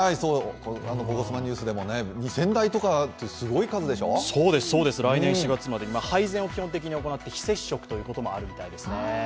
「ゴゴスマ」ニュースでもね、２０００台とかって配膳を基本的に行って非接触ということもあるみたいですね。